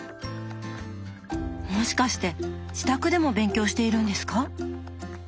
もしかして自宅でも勉強しているんですか？